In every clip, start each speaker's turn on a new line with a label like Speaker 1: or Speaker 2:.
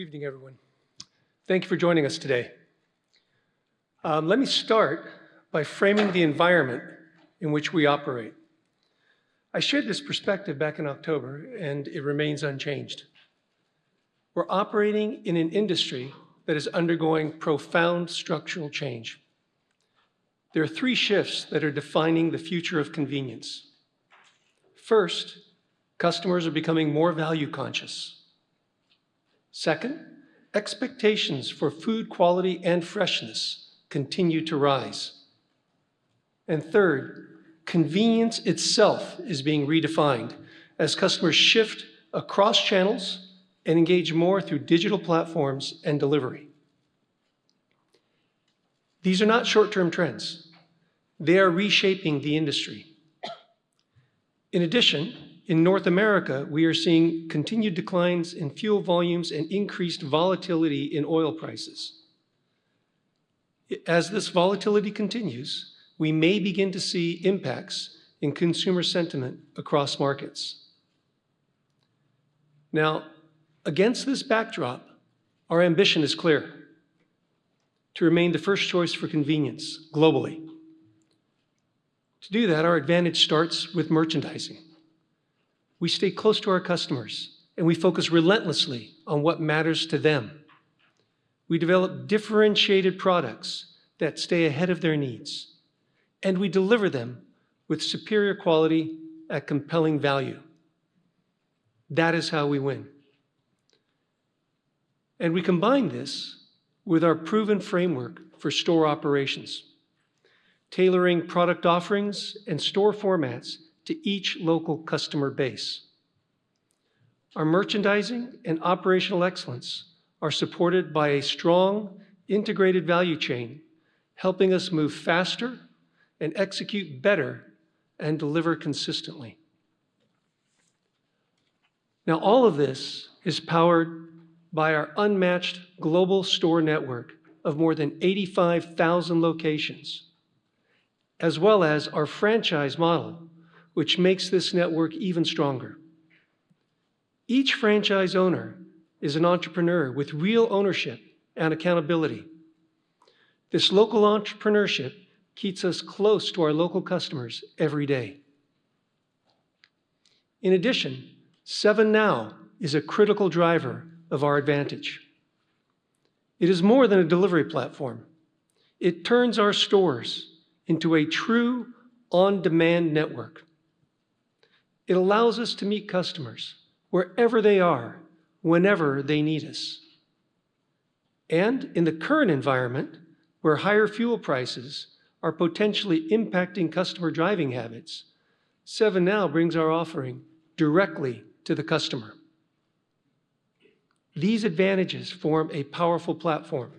Speaker 1: Good evening, everyone. Thank you for joining us today. Let me start by framing the environment in which we operate. I shared this perspective back in October, and it remains unchanged. We're operating in an industry that is undergoing profound structural change. There are three shifts that are defining the future of convenience. First, customers are becoming more value-conscious. Second, expectations for food quality and freshness continue to rise. Third, convenience itself is being redefined as customers shift across channels and engage more through digital platforms and delivery. These are not short-term trends. They are reshaping the industry. In addition, in North America, we are seeing continued declines in fuel volumes and increased volatility in oil prices. As this volatility continues, we may begin to see impacts in consumer sentiment across markets. Now, against this backdrop, our ambition is clear: to remain the first choice for convenience, globally. To do that, our advantage starts with merchandising. We stay close to our customers, and we focus relentlessly on what matters to them. We develop differentiated products that stay ahead of their needs, and we deliver them with superior quality at compelling value. That is how we win. We combine this with our proven framework for store operations, tailoring product offerings and store formats to each local customer base. Our merchandising and operational excellence are supported by a strong, integrated value chain, helping us move faster and execute better and deliver consistently. Now, all of this is powered by our unmatched global store network of more than 85,000 locations, as well as our franchise model, which makes this network even stronger. Each franchise owner is an entrepreneur with real ownership and accountability. This local entrepreneurship keeps us close to our local customers every day. In addition, 7NOW is a critical driver of our advantage. It is more than a delivery platform. It turns our stores into a true on-demand network. It allows us to meet customers wherever they are, whenever they need us. In the current environment, where higher fuel prices are potentially impacting customer driving habits, 7NOW brings our offering directly to the customer. These advantages form a powerful platform.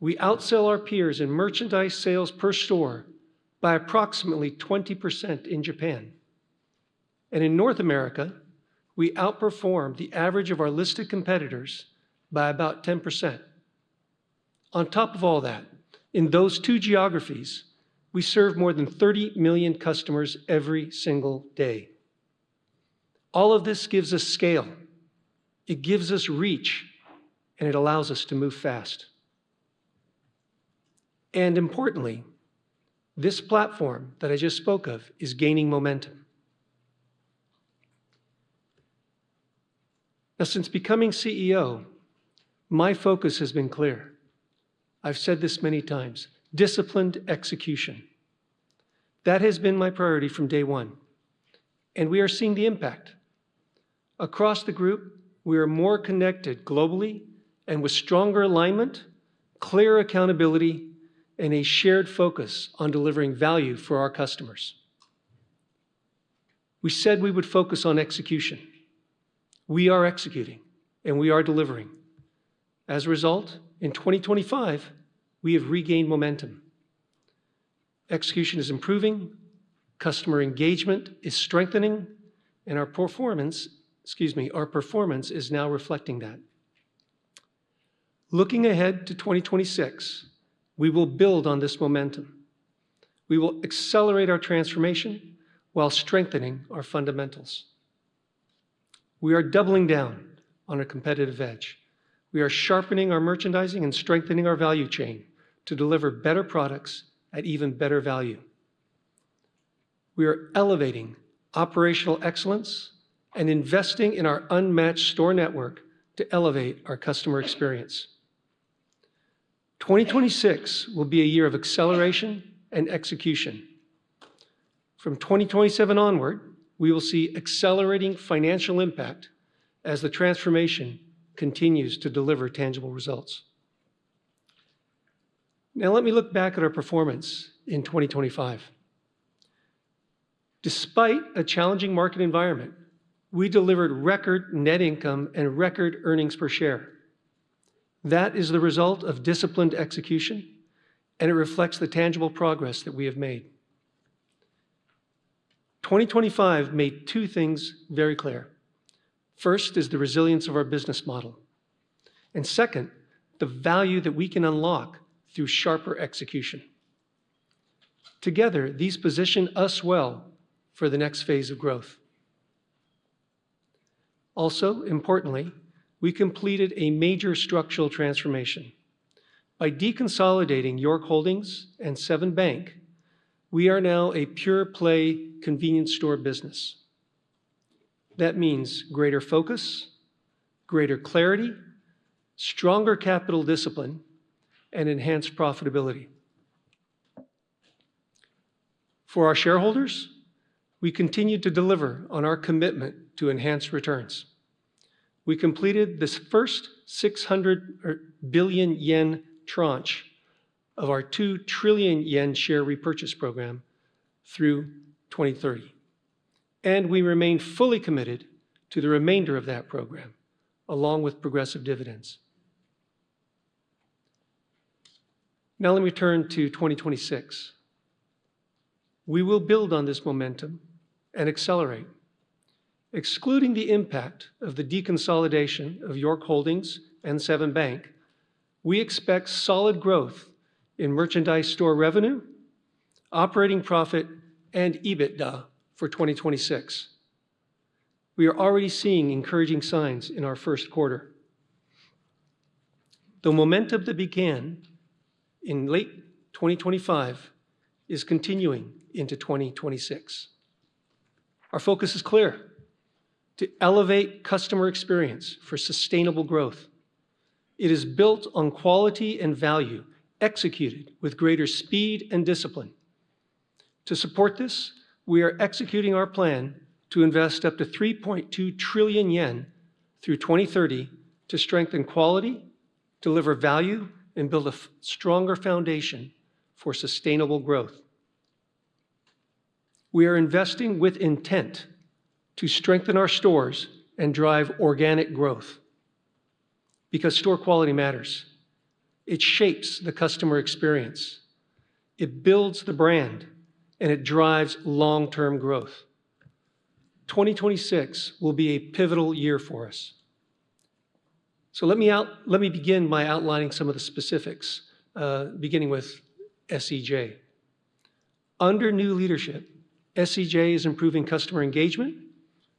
Speaker 1: We outsell our peers in merchandise sales per store by approximately 20% in Japan. In North America, we outperform the average of our listed competitors by about 10%. On top of all that, in those two geographies, we serve more than 30 million customers every single day. All of this gives us scale, it gives us reach, and it allows us to move fast. Importantly, this platform that I just spoke of is gaining momentum. Now, since becoming CEO, my focus has been clear. I've said this many times, disciplined execution. That has been my priority from day one, and we are seeing the impact. Across the group, we are more connected globally and with stronger alignment, clear accountability, and a shared focus on delivering value for our customers. We said we would focus on execution. We are executing, and we are delivering. As a result, in 2025, we have regained momentum. Execution is improving, customer engagement is strengthening, and our performance is now reflecting that. Looking ahead to 2026, we will build on this momentum. We will accelerate our transformation while strengthening our fundamentals. We are doubling down on a competitive edge. We are sharpening our merchandising and strengthening our value chain to deliver better products at even better value. We are elevating operational excellence and investing in our unmatched store network to elevate our customer experience. 2026 will be a year of acceleration and execution. From 2027 onward, we will see accelerating financial impact as the transformation continues to deliver tangible results. Now let me look back at our performance in 2025. Despite a challenging market environment, we delivered record net income and record earnings per share. That is the result of disciplined execution, and it reflects the tangible progress that we have made. 2025 made two things very clear. First is the resilience of our business model, and second, the value that we can unlock through sharper execution. Together, these position us well for the next phase of growth. Also, importantly, we completed a major structural transformation. By deconsolidating York Holdings and Seven Bank, we are now a pure-play convenience store business. That means greater focus, greater clarity, stronger capital discipline, and enhanced profitability. For our shareholders, we continue to deliver on our commitment to enhance returns. We completed this first 600 billion yen tranche of our 2 trillion yen share repurchase program through 2030, and we remain fully committed to the remainder of that program, along with progressive dividends. Now let me turn to 2026. We will build on this momentum and accelerate. Excluding the impact of the deconsolidation of York Holdings and Seven Bank, we expect solid growth in merchandise store revenue, operating profit, and EBITDA for 2026. We are already seeing encouraging signs in our first quarter. The momentum that began in late 2025 is continuing into 2026. Our focus is clear, to elevate customer experience for sustainable growth. It is built on quality and value, executed with greater speed and discipline. To support this, we are executing our plan to invest up to 3.2 trillion yen through 2030 to strengthen quality, deliver value, and build a stronger foundation for sustainable growth. We are investing with intent to strengthen our stores and drive organic growth because store quality matters. It shapes the customer experience, it builds the brand, and it drives long-term growth. 2026 will be a pivotal year for us. Let me begin by outlining some of the specifics, beginning with SEJ. Under new leadership, SEJ is improving customer engagement,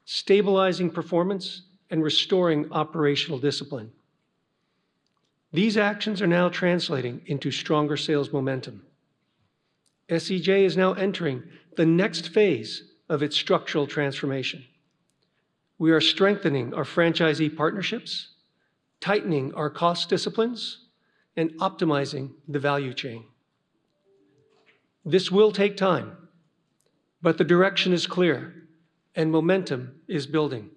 Speaker 1: stabilizing performance, and restoring operational discipline. These actions are now translating into stronger sales momentum. SEJ is now entering the next phase of its structural transformation. We are strengthening our franchisee partnerships, tightening our cost disciplines, and optimizing the value chain. This will take time, but the direction is clear and momentum is building.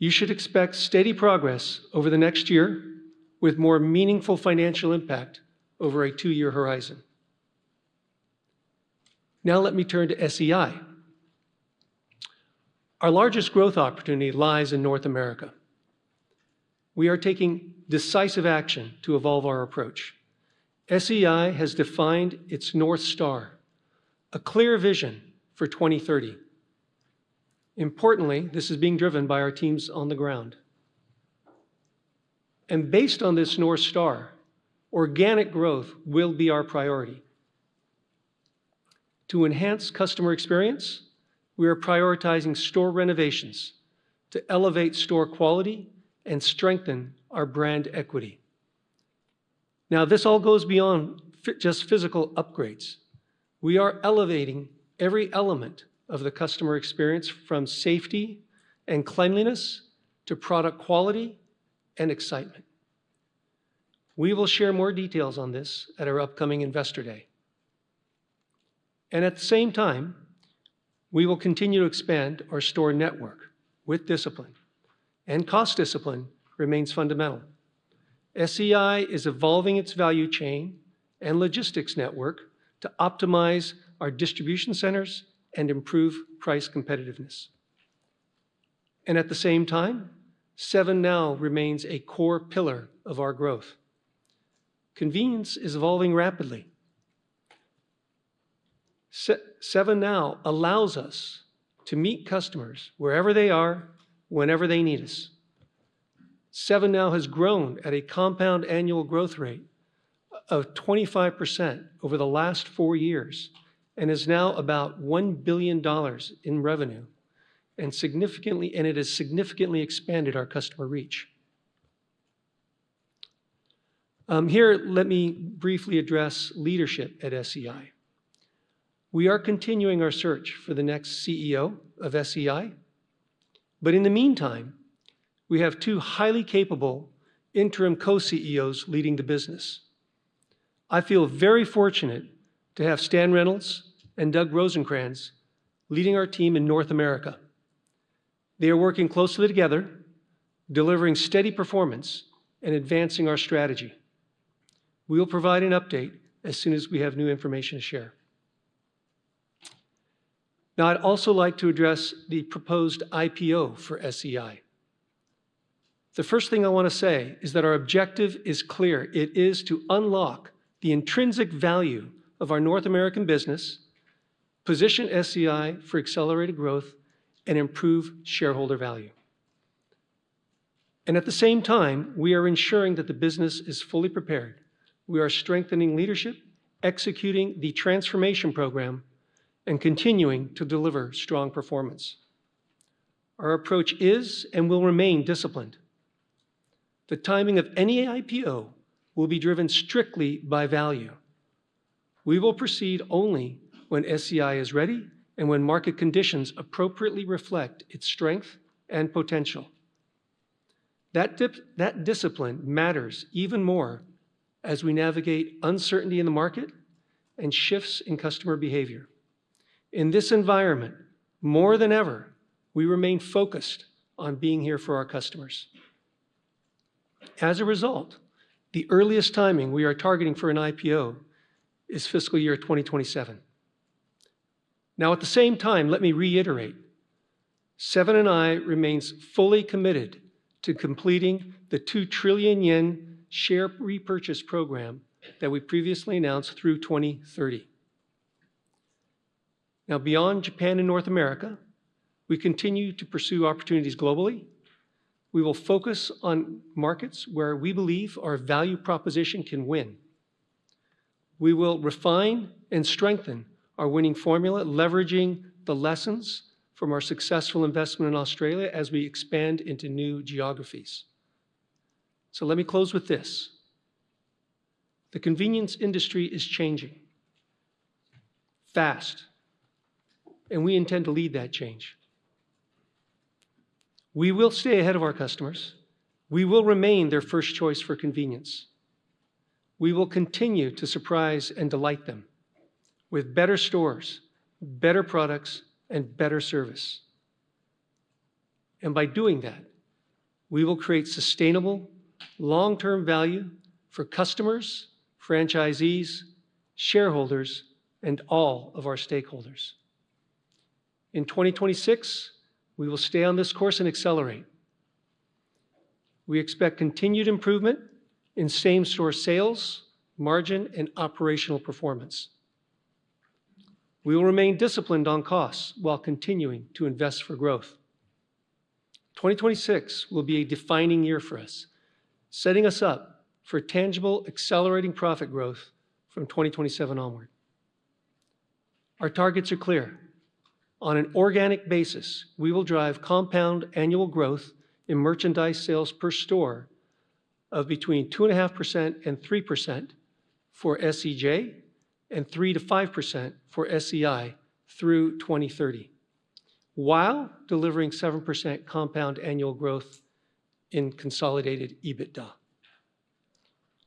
Speaker 1: You should expect steady progress over the next year with more meaningful financial impact over a two-year horizon. Now let me turn to SEI. Our largest growth opportunity lies in North America. We are taking decisive action to evolve our approach. SEI has defined its North Star, a clear vision for 2030. Importantly, this is being driven by our teams on the ground. Based on this North Star, organic growth will be our priority. To enhance customer experience, we are prioritizing store renovations to elevate store quality and strengthen our brand equity. Now, this all goes beyond just physical upgrades. We are elevating every element of the customer experience from safety and cleanliness to product quality and excitement. We will share more details on this at our upcoming IR Day. At the same time, we will continue to expand our store network with discipline, and cost discipline remains fundamental. SEI is evolving its value chain and logistics network to optimize our distribution centers and improve price competitiveness. At the same time, 7NOW remains a core pillar of our growth. Convenience is evolving rapidly. 7NOW allows us to meet customers wherever they are, whenever they need us. 7NOW has grown at a compound annual growth rate of 25% over the last four years and is now about $1 billion in revenue, and it has significantly expanded our customer reach. Here, let me briefly address leadership at SEI. We are continuing our search for the next CEO of SEI, but in the meantime, we have two highly capable interim co-CEOs leading the business. I feel very fortunate to have Stan Reynolds and Doug Rosencrans leading our team in North America. They are working closely together, delivering steady performance and advancing our strategy. We will provide an update as soon as we have new information to share. Now, I'd also like to address the proposed IPO for SEI. The first thing I want to say is that our objective is clear. It is to unlock the intrinsic value of our North American business, position SEI for accelerated growth, and improve shareholder value. At the same time, we are ensuring that the business is fully prepared. We are strengthening leadership, executing the transformation program, and continuing to deliver strong performance. Our approach is and will remain disciplined. The timing of any IPO will be driven strictly by value. We will proceed only when SEI is ready and when market conditions appropriately reflect its strength and potential. That discipline matters even more as we navigate uncertainty in the market and shifts in customer behavior. In this environment, more than ever, we remain focused on being here for our customers. As a result, the earliest timing we are targeting for an IPO is fiscal year 2027. Now, at the same time, let me reiterate, Seven & i remains fully committed to completing the 2 trillion yen share repurchase program that we previously announced through 2030. Now, beyond Japan and North America, we continue to pursue opportunities globally. We will focus on markets where we believe our value proposition can win. We will refine and strengthen our winning formula, leveraging the lessons from our successful investment in Australia as we expand into new geographies. Let me close with this. The convenience industry is changing fast, and we intend to lead that change. We will stay ahead of our customers. We will remain their first choice for convenience. We will continue to surprise and delight them with better stores, better products, and better service. By doing that, we will create sustainable long-term value for customers, franchisees, shareholders, and all of our stakeholders. In 2026, we will stay on this course and accelerate. We expect continued improvement in same-store sales, margin, and operational performance. We will remain disciplined on costs while continuing to invest for growth. 2026 will be a defining year for us, setting us up for tangible, accelerating profit growth from 2027 onward. Our targets are clear. On an organic basis, we will drive compound annual growth in merchandise sales per store of between 2.5%-3% for SEJ and 3%-5% for SEI through 2030, while delivring 7% compound annual growth in consolidated EBITDA.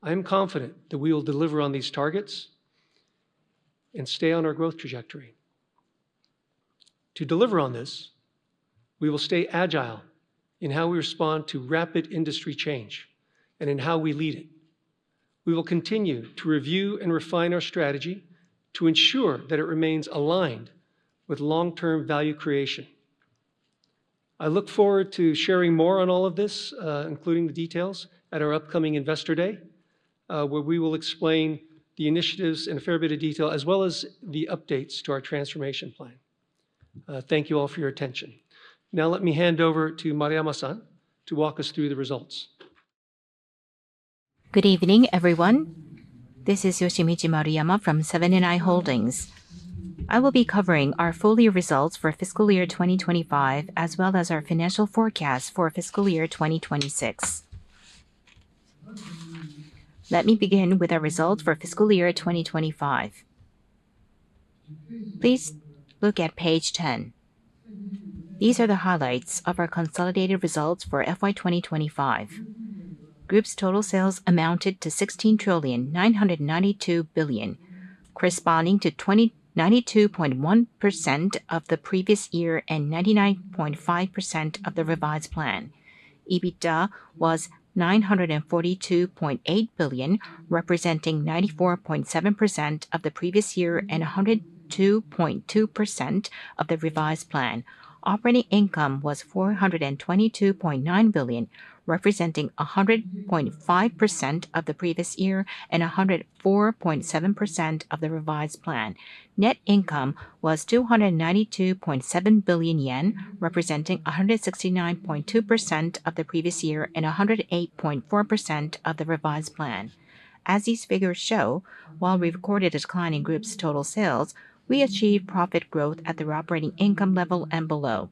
Speaker 1: I am confident that we will deliver on these targets and stay on our growth trajectory. To deliver on this, we will stay agile in how we respond to rapid industry change and in how we lead it. We will continue to review and refine our strategy to ensure that it remains aligned with long-term value creation. I look forward to sharing more on all of this, including the details at our upcoming Investor Day, where we will explain the initiatives in a fair bit of detail, as well as the updates to our transformation plan. Thank you all for your attention. Now let me hand over to Maruyama-san to walk us through the results.
Speaker 2: Good evening, everyone. This is Yoshimichi Maruyama from Seven & i Holdings. I will be covering our full year results for fiscal year 2025, as well as our financial forecast for fiscal year 2026. Let me begin with our results for fiscal year 2025. Please look at page 10. These are the highlights of our consolidated results for FY 2025. Group's total sales amounted to 16,992 billion, corresponding to 2092.1% of the previous year and 99.5% of the revised plan. EBITDA was 942.8 billion, representing 94.7% of the previous year and 102.2% of the revised plan. Operating income was 422.9 billion, representing 100.5% of the previous year and 104.7% of the revised plan. Net income was 292.7 billion yen, representing 169.2% of the previous year and 108.4% of the revised plan. As these figures show, while we recorded a decline in Group's total sales, we achieved profit growth at the operating income level and below.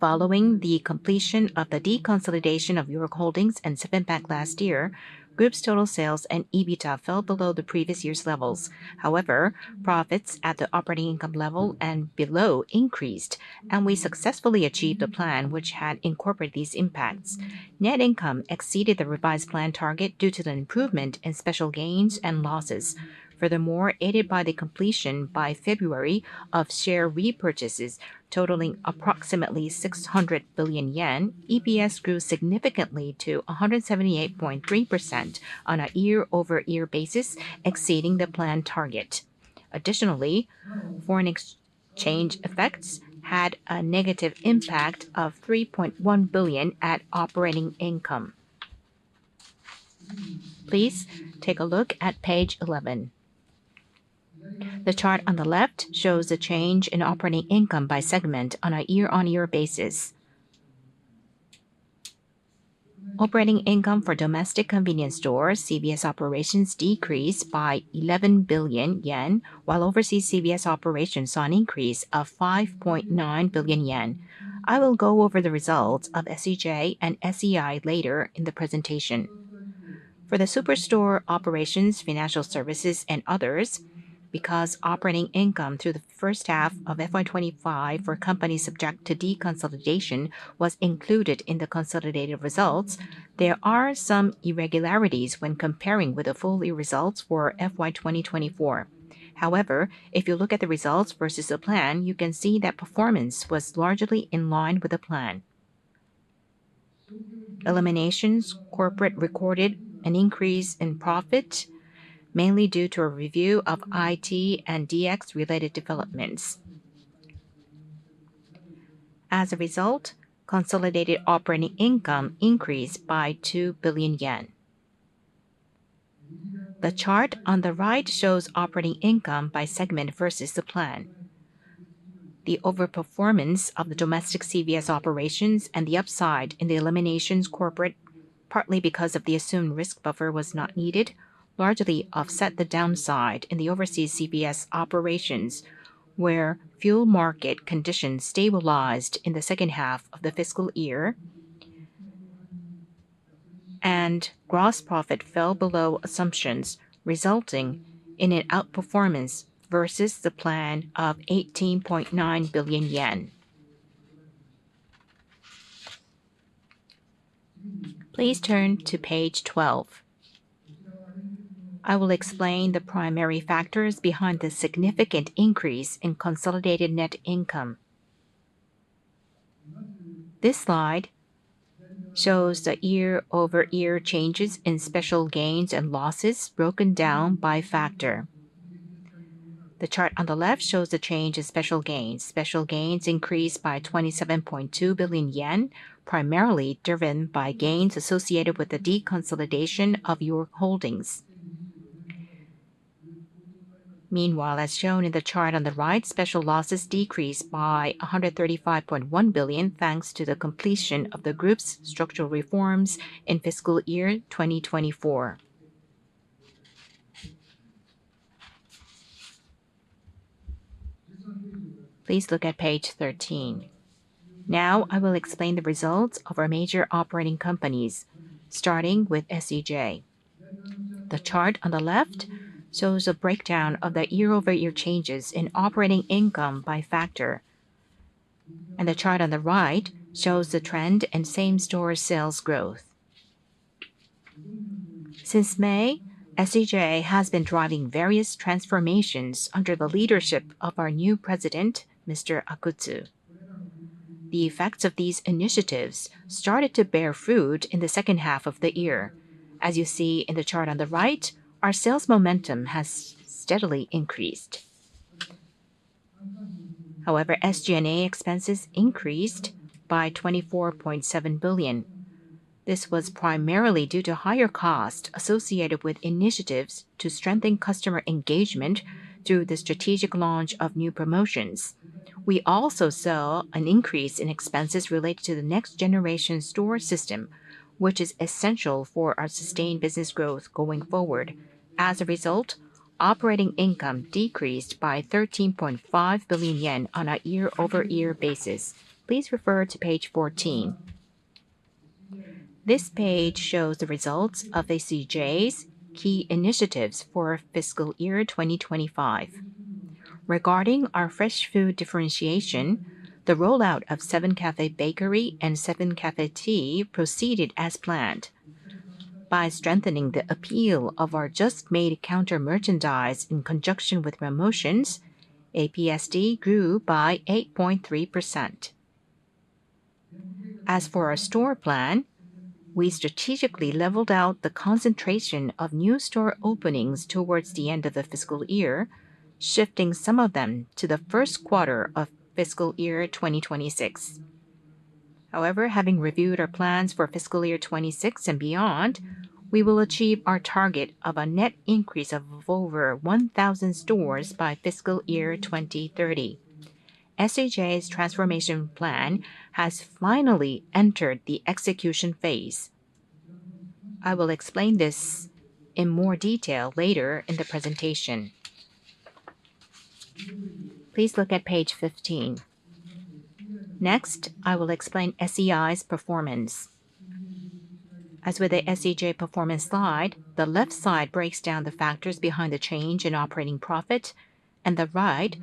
Speaker 2: Following the completion of the deconsolidation of York Holdings and Seven Bank last year, Group's total sales and EBITDA fell below the previous year's levels. However, profits at the operating income level and below increased, and we successfully achieved a plan which had incorporated these impacts. Net income exceeded the revised plan target due to the improvement in special gains and losses. Furthermore, aided by the completion by February of share repurchases totaling approximately 600 billion yen, EPS grew significantly to 178.3% on a year-over-year basis, exceeding the plan target. Additionally, foreign exchange effects had a negative impact of 3.1 billion at operating income. Please take a look at page 11. The chart on the left shows the change in operating income by segment on a year-over-year basis. Operating income for domestic convenience stores, CVS operations, decreased by 11 billion yen, while overseas CVS operations saw an increase of 5.9 billion yen. I will go over the results of SEJ and SEI later in the presentation. For the superstore operations, financial services, and others, because operating income through the first half of FY 2025 for companies subject to deconsolidation was included in the consolidated results, there are some irregularities when comparing with the full year results for FY 2024. However, if you look at the results versus the plan, you can see that performance was largely in line with the plan. Eliminations and corporate recorded an increase in profit, mainly due to a review of IT and DX-related developments. As a result, consolidated operating income increased by 2 billion yen. The chart on the right shows operating income by segment versus the plan. The overperformance of the domestic CVS operations and the upside in the corporate eliminations, partly because of the assumed risk buffer was not needed, largely offset the downside in the overseas CVS operations, where fuel market conditions stabilized in the second half of the fiscal year, and gross profit fell below assumptions, resulting in an outperformance versus the plan of 18.9 billion yen. Please turn to page 12. I will explain the primary factors behind the significant increase in consolidated net income. This slide shows the year-over-year changes in special gains and losses broken down by factor. The chart on the left shows the change in special gains. Special gains increased by 27.2 billion yen, primarily driven by gains associated with the deconsolidation of York Holdings. Meanwhile, as shown in the chart on the right, special losses decreased by 135.1 billion, thanks to the completion of the group's structural reforms in fiscal year 2024. Please look at page 13. Now I will explain the results of our major operating companies, starting with SEJ. The chart on the left shows a breakdown of the year-over-year changes in operating income by factor. The chart on the right shows the trend in same-store sales growth. Since May, SEJ has been driving various transformations under the leadership of our new president, Mr. Akutsu. The effects of these initiatives started to bear fruit in the second half of the year. As you see in the chart on the right, our sales momentum has steadily increased. However, SG&A expenses increased by 24.7 billion. This was primarily due to higher cost associated with initiatives to strengthen customer engagement through the strategic launch of new promotions. We also saw an increase in expenses related to the next-generation store system, which is essential for our sustained business growth going forward. As a result, operating income decreased by 13.5 billion yen on a year-over-year basis. Please refer to page 14. This page shows the results of SEJ's key initiatives for fiscal year 2025. Regarding our fresh food differentiation, the rollout of SEVEN CAFÉ Bakery and SEVEN CAFÉ Tea proceeded as planned. By strengthening the appeal of our just-made counter merchandise in conjunction with promotions, APSD grew by 8.3%. As for our store plan, we strategically leveled out the concentration of new store openings towards the end of the fiscal year, shifting some of them to the first quarter of fiscal year 2026. However, having reviewed our plans for fiscal year 2026 and beyond, we will achieve our target of a net increase of over 1,000 stores by fiscal year 2030. SEJ's transformation plan has finally entered the execution phase. I will explain this in more detail later in the presentation. Please look at page 15. Next, I will explain SEI's performance. As with the SEJ performance slide, the left side breaks down the factors behind the change in operating profit, and the right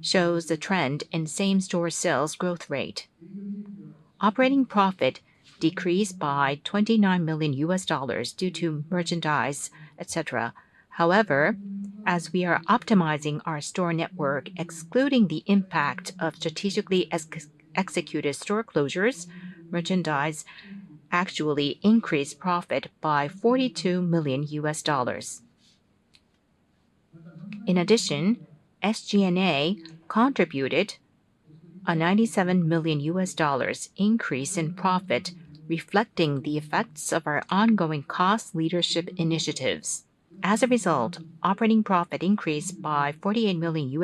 Speaker 2: shows the trend in same-store sales growth rate. Operating profit decreased by $29 million due to merchandise, et cetera. However, as we are optimizing our store network, excluding the impact of strategically executed store closures, merchandise actually increased profit by $42 million. In addition, SG&A contributed a $97 million increase in profit, reflecting the effects of our ongoing cost leadership initiatives. As a result, operating profit increased by $48 million to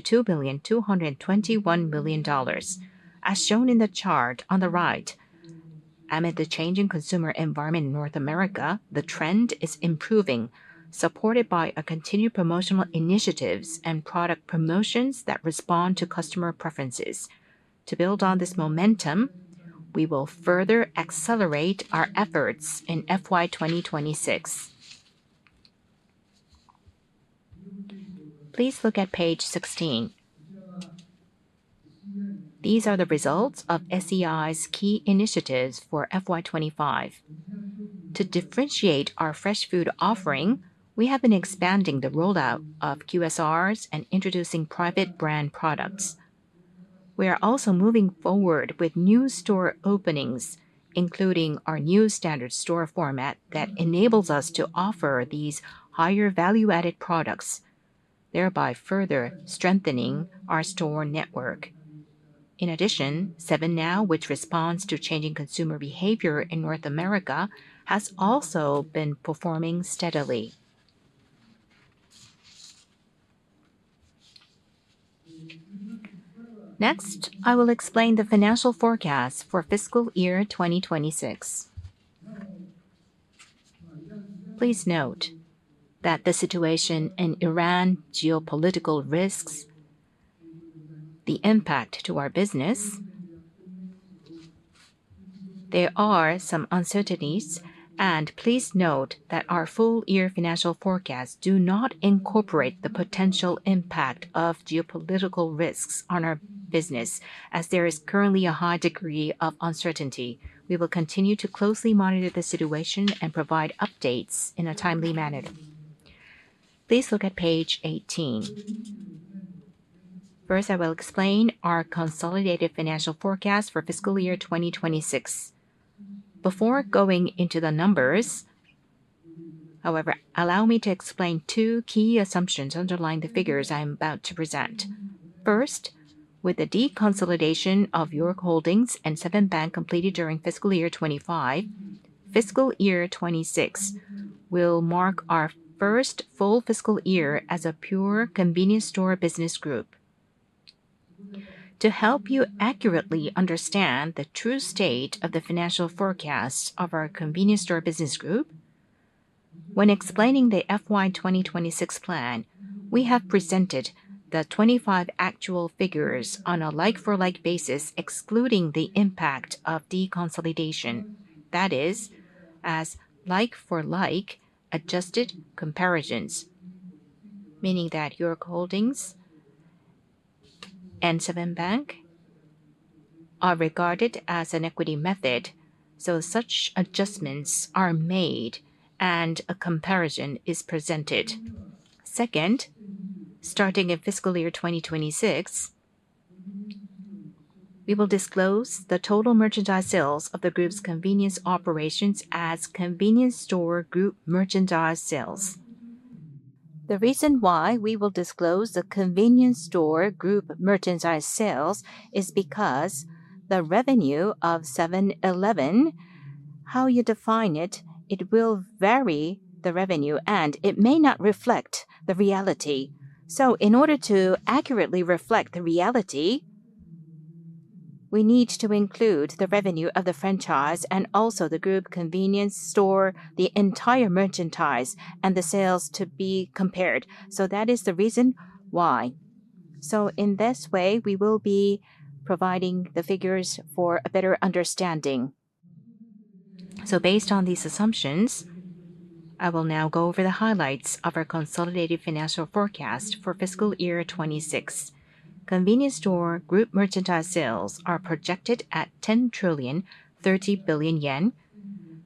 Speaker 2: $2,221,000,000. As shown in the chart on the right, amid the change in consumer environment in North America, the trend is improving, supported by continued promotional initiatives and product promotions that respond to customer preferences. To build on this momentum, we will further accelerate our efforts in FY 2026. Please look at page 16. These are the results of SEI's key initiatives for FY 2025. To differentiate our fresh food offering, we have been expanding the rollout of QSRs and introducing private brand products. We are also moving forward with new store openings, including our new standard store format that enables us to offer these higher value-added products, thereby further strengthening our store network. In addition, 7NOW, which responds to changing consumer behavior in North America, has also been performing steadily. Next, I will explain the financial forecast for fiscal year 2026. Please note that the situation in Iran, geopolitical risks, the impact to our business, there are some uncertainties, and please note that our full-year financial forecasts do not incorporate the potential impact of geopolitical risks on our business, as there is currently a high degree of uncertainty. We will continue to closely monitor the situation and provide updates in a timely manner. Please look at page 18. First, I will explain our consolidated financial forecast for fiscal year 2026. Before going into the numbers, however, allow me to explain two key assumptions underlying the figures I'm about to present. First, with the deconsolidation of York Holdings and Seven Bank completed during fiscal year 2025, fiscal year 2026 will mark our first full fiscal year as a pure convenience store business group. To help you accurately understand the true state of the financial forecasts of our convenience store business group, when explaining the FY 2026 plan, we have presented the FY 2025 actual figures on a like-for-like basis, excluding the impact of deconsolidation. That is, as like-for-like adjusted comparisons, meaning that York Holdings and Seven Bank are regarded as an equity method, so such adjustments are made and a comparison is presented. Second, starting in fiscal year 2026, we will disclose the total merchandise sales of the group's convenience operations as Convenience Store Group Merchandise Sales. The reason why we will disclose the Convenience Store Group Merchandise Sales is because the revenue of 7-Eleven, how you define it will vary the revenue, and it may not reflect the reality. In order to accurately reflect the reality, we need to include the revenue of the franchise and also the group convenience store, the entire merchandise, and the sales to be compared. That is the reason why. In this way, we will be providing the figures for a better understanding. Based on these assumptions, I will now go over the highlights of our consolidated financial forecast for fiscal year 2026. Convenience Store Group Merchandise Sales are projected at 10,030 billion yen,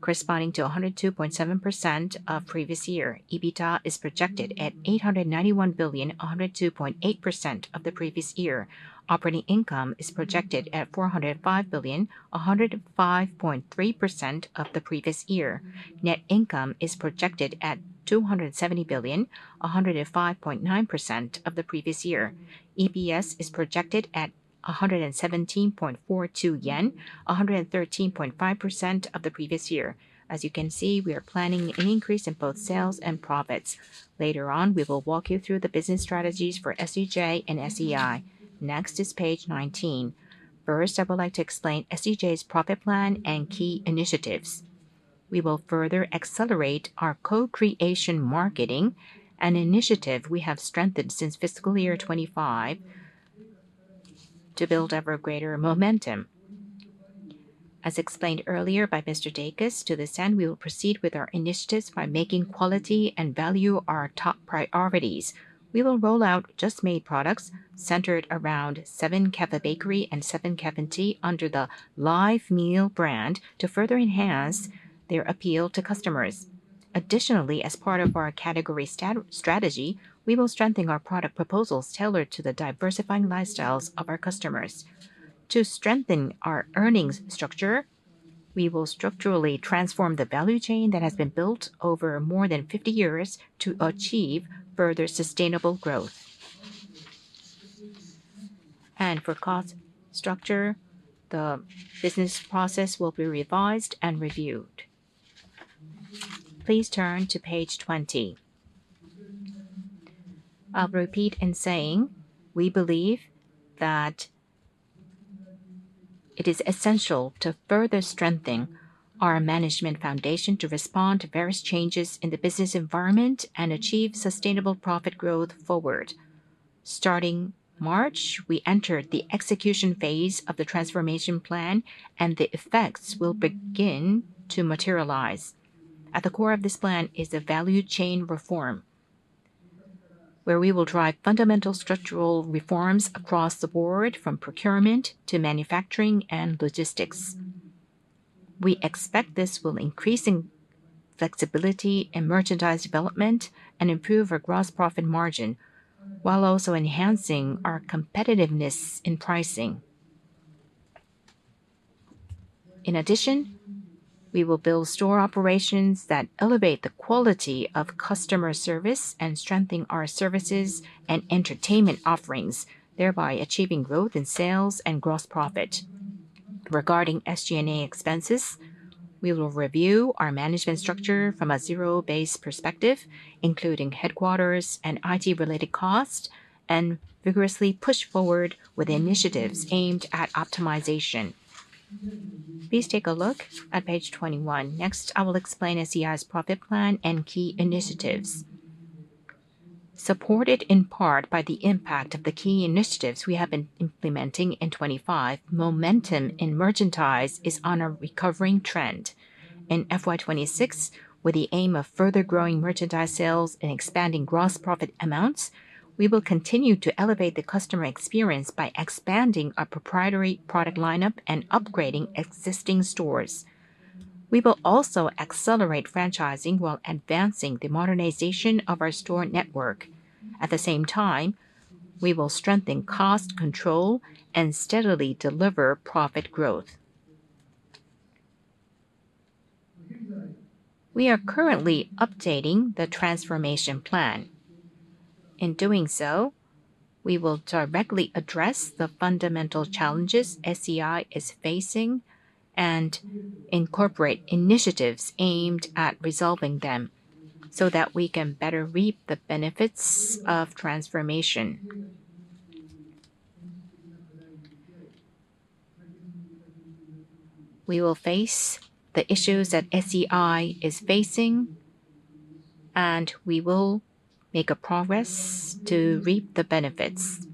Speaker 2: corresponding to 102.7% of previous year. EBITDA is projected at 891 billion, 102.8% of the previous year. Operating income is projected at 405 billion, 105.3% of the previous year. Net income is projected at 270 billion, 105.9% of the previous year. EPS is projected at 117.42 yen, 113.5% of the previous year. As you can see, we are planning an increase in both sales and profits. Later on, we will walk you through the business strategies for SEJ and SEI. Next is page 19. First, I would like to explain SEJ's profit plan and key initiatives. We will further accelerate our Co-creation Marketing, an initiative we have strengthened since fiscal year 2025, to build ever greater momentum. As explained earlier by Mr. Dacus, to this end, we will proceed with our initiatives by making quality and value our top priorities. We will roll out Just-made products centered around SEVEN CAFÉ Bakery and SEVEN CAFÉ Tea under the Live Meal brand to further enhance their appeal to customers. Additionally, as part of our category strategy, we will strengthen our product proposals tailored to the diversifying lifestyles of our customers. To strengthen our earnings structure. We will structurally transform the value chain that has been built over more than 50 years to achieve further sustainable growth. For cost structure, the business process will be revised and reviewed. Please turn to page 20. I'll repeat in saying we believe that it is essential to further strengthen our management foundation to respond to various changes in the business environment and achieve sustainable profit growth forward. Starting March, we entered the execution phase of the transformation plan, and the effects will begin to materialize. At the core of this plan is a value chain reform, where we will drive fundamental structural reforms across the board, from procurement to manufacturing and logistics. We expect this will increase in flexibility in merchandise development and improve our gross profit margin, while also enhancing our competitiveness in pricing. In addition, we will build store operations that elevate the quality of customer service and strengthen our services and entertainment offerings, thereby achieving growth in sales and gross profit. Regarding SG&A expenses, we will review our management structure from a zero-based perspective, including headquarters and IT-related costs, and vigorously push forward with initiatives aimed at optimization. Please take a look at page 21. Next, I will explain SEI's profit plan and key initiatives. Supported in part by the impact of the key initiatives we have been implementing in 2025, momentum in merchandise is on a recovering trend. In FY 2026, with the aim of further growing merchandise sales and expanding gross profit amounts, we will continue to elevate the customer experience by expanding our proprietary product lineup and upgrading existing stores. We will also accelerate franchising while advancing the modernization of our store network. At the same time, we will strengthen cost control and steadily deliver profit growth. We are currently updating the transformation plan. In doing so, we will directly address the fundamental challenges SEI is facing and incorporate initiatives aimed at resolving them so that we can better reap the benefits of transformation. We will face the issues that SEI is facing, and we will make progress to reap the benefits.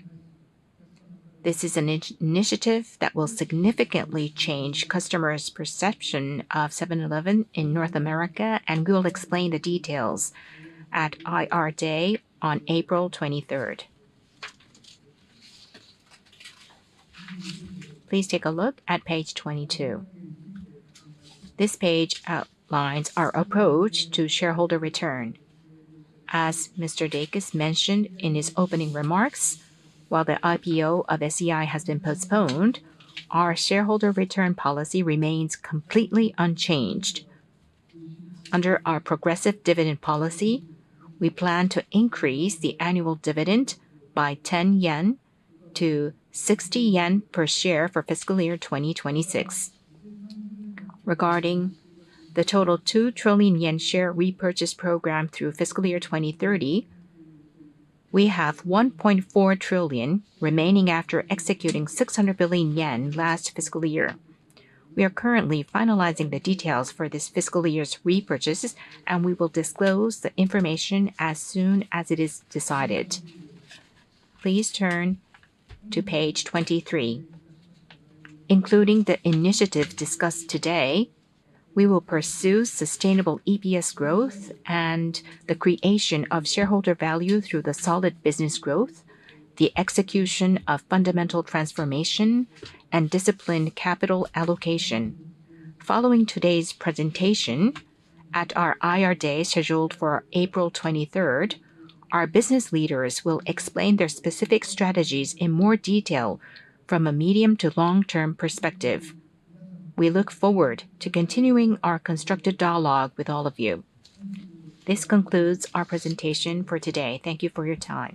Speaker 2: This is an initiative that will significantly change customers' perception of 7-Eleven in North America, and we'll explain the details at IR Day on April 23rd. Please take a look at page 22. This page outlines our approach to shareholder return. As Mr. Dacus mentioned in his opening remarks, while the IPO of SEI has been postponed, our shareholder return policy remains completely unchanged. Under our progressive dividend policy, we plan to increase the annual dividend by 10 yen to 60 yen per share for fiscal year 2026. Regarding the total 2 trillion yen share repurchase program through fiscal year 2030, we have 1.4 trillion remaining after executing 600 billion yen last fiscal year. We are currently finalizing the details for this fiscal year's repurchases, and we will disclose the information as soon as it is decided. Please turn to page 23. Including the initiative discussed today, we will pursue sustainable EPS growth and the creation of shareholder value through the solid business growth, the execution of fundamental transformation, and disciplined capital allocation. Following today's presentation at our IR Day, scheduled for April 23rd, our business leaders will explain their specific strategies in more detail from a medium to long-term perspective. We look forward to continuing our constructive dialogue with all of you. This concludes our presentation for today. Thank you for your time.